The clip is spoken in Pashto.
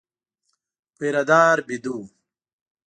پيره دار وېده و.